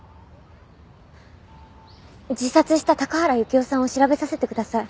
自殺した高原雪世さんを調べさせてください。